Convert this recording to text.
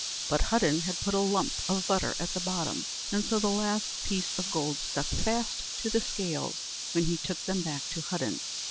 But Hudden had put a lump of butter at the bottom, and so the last piece of gold stuck fast to the scales when he took them back to Hudden.